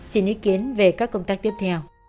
xin ý kiến về các công tác tiếp theo